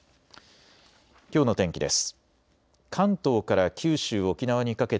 きょうの天気です。